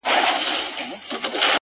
پر دغه لاره كه بلا وينمه خوند راكوي.!